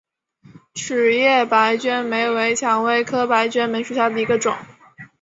齿叶白鹃梅为蔷薇科白鹃梅属下的一个种。